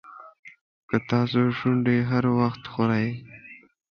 که ستا شونډې هر وخت ښوري.